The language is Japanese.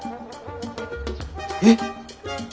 えっ！？